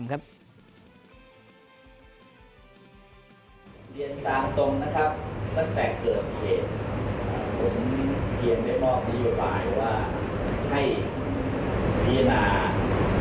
เรียนตามตรงนะครับตั้งแต่เกิดเหตุ